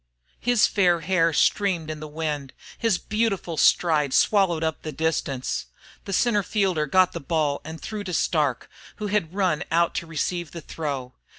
His fair hair streamed in the wind; his beautiful stride swallowed up the distance. The centre fielder got the ball and threw to Starke, who had run out to receive the throw.